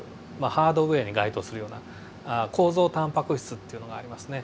ハードウエアに該当するような構造タンパク質っていうのがありますね。